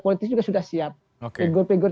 politis juga sudah siap figur figur